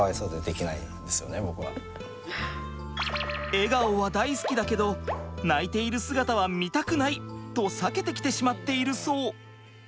「笑顔は大好きだけど泣いている姿は見たくない！」と避けてきてしまっているそう。